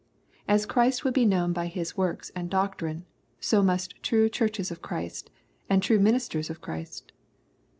* As Christ would be knowu by His works and doctrine, so must true Churches of Christ, and true ministers of Christ.